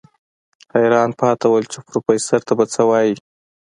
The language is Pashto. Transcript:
حيران پاتې و چې پروفيسر ته به څه وايي.